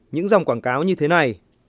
những dòng quảng cáo như thế này